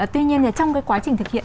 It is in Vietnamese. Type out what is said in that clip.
tuy nhiên trong cái quá trình thực hiện